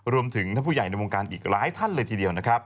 รวมถึงท่านผู้ใหญ่ในวงการอีกหลายท่านเลยทีเดียว